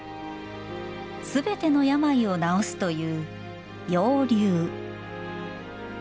すべての病を治すという楊柳。